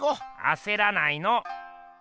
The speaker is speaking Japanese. あせらないの。